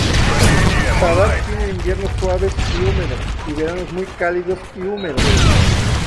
Zadar tiene inviernos suaves y húmedos y veranos muy cálidos y húmedos.